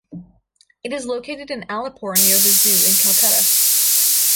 It is located in Alipore, near the zoo, in Calcutta.